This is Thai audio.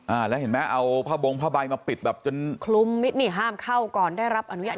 อ่าแล้วเห็นไหมเอาผ้าบงผ้าใบมาปิดแบบจนคลุมมิดนี่ห้ามเข้าก่อนได้รับอนุญาต